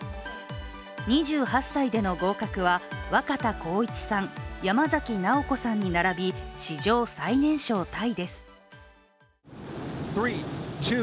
２８歳での合格は若田光一さん、山崎直子さんに並び史上最年少タイです。